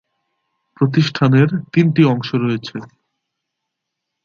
প্রতিষ্ঠানের তিনটি অংশ রয়েছে।